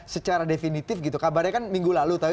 secara definitif gitu kabarnya kan minggu lalu